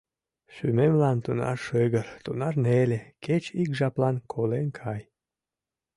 Шӱмемлан тунар шыгыр, тунар неле — кеч ик жаплан колен кай.